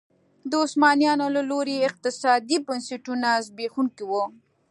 د عثمانیانو له لوري اقتصادي بنسټونه زبېښونکي وو.